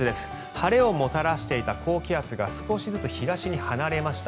晴れをもたらしていた高気圧が少しずつ東に離れました。